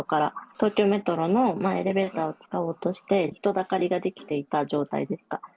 東京メトロのエレベーターを使おうとして、人だかりが出来ていた状態でした。